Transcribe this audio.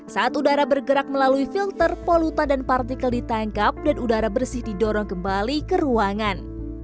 saat udara bergerak melalui filter polutan dan partikel ditangkap dan udara bersih didorong kembali ke ruangan